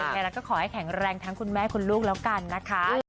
ยังไงแล้วก็ขอให้แข็งแรงทั้งคุณแม่คุณลูกแล้วกันนะคะ